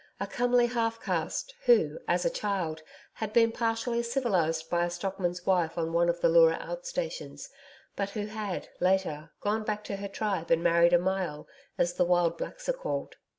A comely half caste who, as a child, had been partially civilised by a stockman's wife on one of the Leura out stations, but who had, later, gone back to her tribe and married a Myall, as the wild blacks are called.